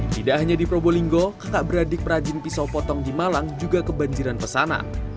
tidak hanya di probolinggo kakak beradik perajin pisau potong di malang juga kebanjiran pesanan